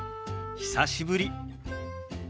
久しぶり。